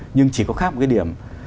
nhưng chỉ có khác một cái điểm